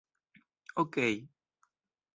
Okej...